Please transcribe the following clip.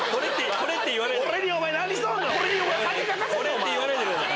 「コレ」って言わないでください。